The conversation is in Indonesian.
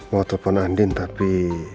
mau telepon andin tapi